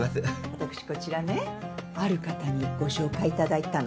私こちらねある方にご紹介いただいたの。